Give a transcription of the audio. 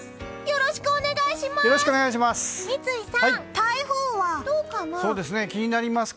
よろしくお願いします！